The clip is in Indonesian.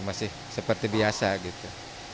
masih seperti biasa gitu